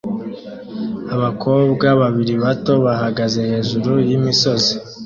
Abakobwa babiri bato bahagaze hejuru yimisozi